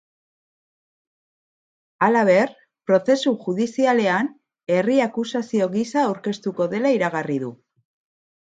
Halaber, prozesu judizialean herri akusazio gisa aurkeztuko dela iragarri du.